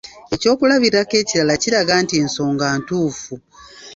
Ekyokulabirako ekirala kiraga nti ensonga ntuufu.